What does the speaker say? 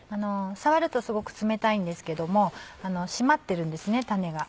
触るとすごく冷たいんですけども締まってるんですねタネが。